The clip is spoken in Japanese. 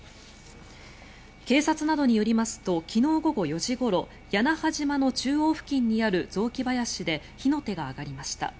警察などによりますと昨日午後４時ごろ屋那覇島の中央付近にある雑木林で火の手が上がりました。